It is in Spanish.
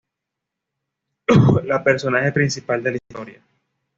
La personaje principal de la historia.